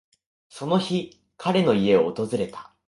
その日、彼の家を訪れた。